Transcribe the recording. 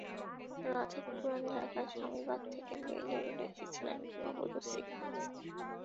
রাতে পুরান ঢাকার স্বামীবাগ থেকে বেইলি রোডে এসেছিলেন গৃহবধূ সিগমা ইসলাম।